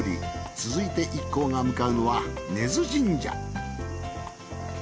続いて一行が向かうのは根津神社